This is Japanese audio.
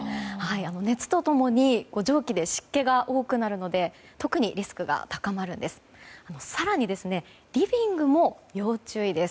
熱と共に蒸気で湿気が多くなるので特にリスクが高まるんです。